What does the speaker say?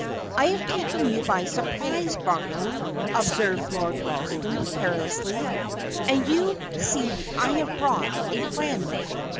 "I have taken you by surprise, Barham," observed Lord Ralston, carelessly; "and you see I have brought a friend."